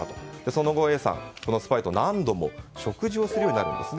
その後、Ａさん、このスパイと何度も食事をするようになるんです。